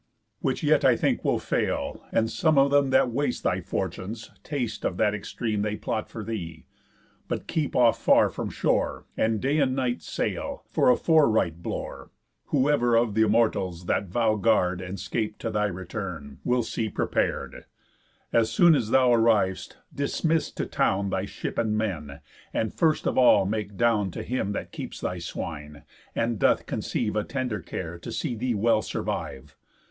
Which yet I think will fail, and some of them That waste thy fortunes taste of that extreme They plot for thee. But keep off far from shore, And day and night sail, for a fore right blore, Whoever of th' Immortals that vow guard And 'scape to thy return, will see prepar'd. As soon as thou arriv'st, dismiss to town Thy ship and men, and first of all make down To him that keeps thy swine, and doth conceive A tender care to see thee well survive.